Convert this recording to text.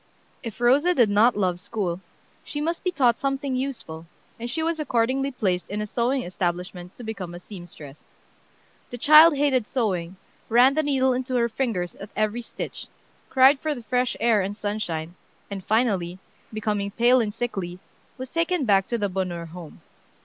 If Rosa did not love school, she must be taught something useful, and she was accordingly placed in a sewing establishment to become a seamstress. The child hated sewing, ran the needle into her fingers at every stitch, cried for the fresh air and sunshine, and finally, becoming pale and sickly, was taken back to the Bonheur home.